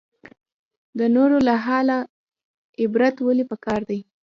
د نورو له حاله عبرت ولې پکار دی؟